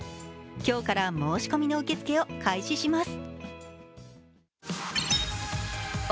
今日から申し込みの受け付けを開始します。